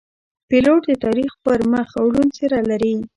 پیلوټ د تاریخ پر مخ روڼ څېره لري.